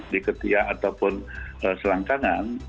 di ketia ataupun selangkangan